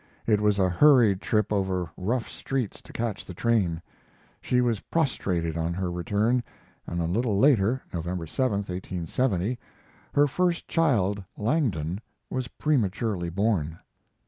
It was a hurried trip over rough streets to catch the train. She was prostrated on her return, and a little later, November 7, 1870, her first child, Langdon, was prematurely born.